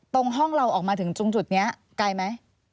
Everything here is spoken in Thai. ตรงห้องเราออกมาถึงตรงจุดนี้ไกลไหม